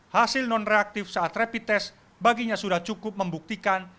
hasil nonreaktif saat rapid test baginya sudah cukup membuktikan